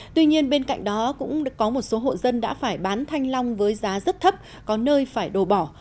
tuy nhiên bên cạnh đó cũng có một số hộ dân đã phải bán thanh long với giá rất thấp có nơi phải đồ bỏ